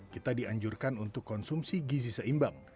kita dianjurkan untuk konsumsi gizi seimbang